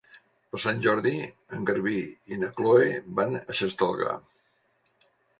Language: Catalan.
Per Sant Jordi en Garbí i na Chloé van a Xestalgar.